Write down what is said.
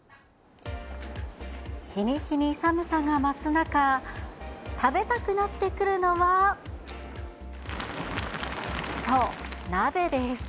日に日に寒さが増す中、食べたくなってくるのは、そう、鍋です。